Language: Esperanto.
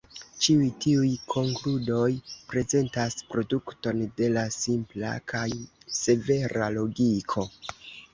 Ĉiuj tiuj konkludoj prezentas produkton de la simpla kaj severa logiko.